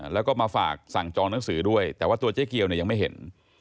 แล้วก็มาฝากสั่งจองหนังสือด้วยแต่ว่าตัวเจ๊เกียวเนี่ยยังไม่เห็น